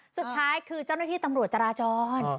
สุดท้ายคือเจ้าหน้าที่ตำรวจจราจร